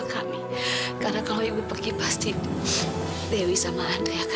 kamu kalau kayak gini ngelugin diri kamu sendiri